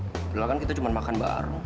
itu lah kan kita cuma makan bareng